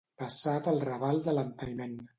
Passar pel raval de l'enteniment.